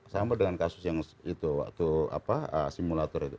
sama dengan kasus yang itu waktu simulator itu